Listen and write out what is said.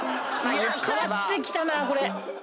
勝ってきたなこれ。